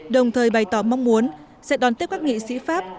đồng thời bày tỏ mong muốn sẽ đón tiếp các nghị sĩ pháp